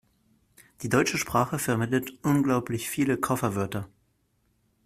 Die deutsche Sprache verwendet unglaublich viele Kofferwörter.